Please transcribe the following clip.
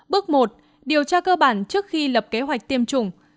bước một điều tra cơ bản trước khi lập kế hoạch tiêm chủng